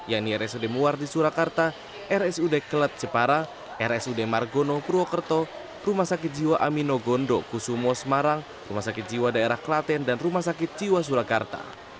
yakni rsud wardi surakarta rsud kelet jepara rsud margono purwokerto rumah sakit jiwa amino gondo kusumo semarang rumah sakit jiwa daerah klaten dan rumah sakit jiwa surakarta